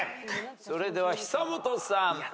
それでは久本さん。